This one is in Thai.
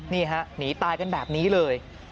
นี่ฮะหนีตายกันแบบนี้เลย